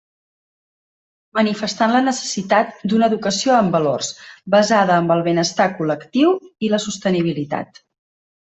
Manifestant la necessitat d’una educació en valors basada amb el benestar col·lectiu i la sostenibilitat.